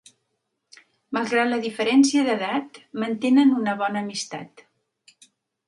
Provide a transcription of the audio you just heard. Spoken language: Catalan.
Malgrat la diferència d'edat, mantenen una bona amistat.